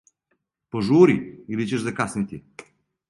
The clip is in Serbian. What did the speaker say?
Пожури, или ћеш закаснити!